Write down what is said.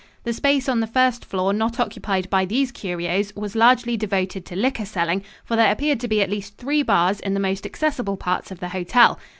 The space on the first floor not occupied by these curios was largely devoted to liquor selling, for there appeared to be at least three bars in the most accessible parts of the hotel.